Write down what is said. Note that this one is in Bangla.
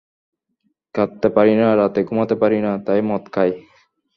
কাঁদতে পারি না, রাতে ঘুমাতে পারি না, তাই মদ খাই।